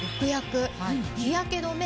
日焼け止め